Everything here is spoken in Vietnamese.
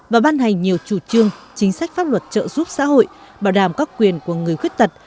và ban hành nhiều chủ trương chính sách pháp luật trợ giúp xã hội bảo đảm các quyền của người khuyết tật